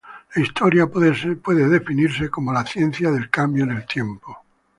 La historia puede ser definida como la ciencia del cambio en el tiempo.